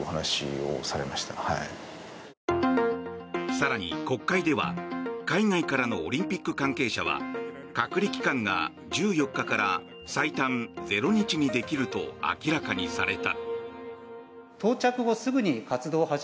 更に、国会では海外からのオリンピック関係者は隔離期間が１４日から最短０日にできると明らかにされた。